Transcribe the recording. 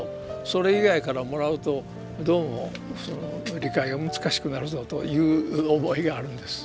それ以外からもらうとどうもその理解が難しくなるぞという思いがあるんです。